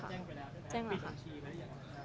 แจ้งแล้วค่ะแจ้งแล้วค่ะแจ้งแล้วค่ะแจ้งแล้วค่ะ